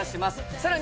さらに